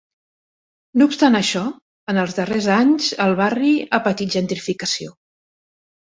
No obstant això, en els darrers anys, el barri ha patit gentrificació.